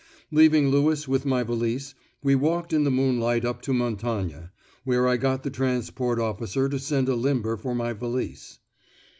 Leaving Lewis with my valise, we walked in the moonlight up to Montagne, where I got the transport officer to send a limber for my valise.